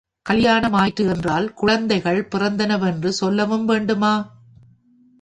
கலியானமாயிற்று என்றால் குழந்தைகள் பிறந்தனவென்று சொல்லவும் வேண்டுமா?